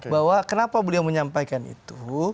bahwa kenapa beliau menyampaikan itu